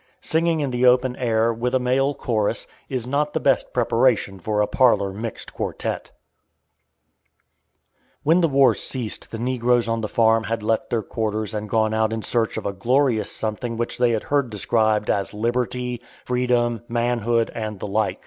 Singing in the open air, with a male chorus, is not the best preparation for a parlor mixed quartette. When the war ceased the negroes on the farm had left their quarters and gone out in search of a glorious something which they had heard described as "liberty," freedom, "manhood," and the like.